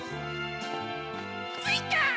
ついた！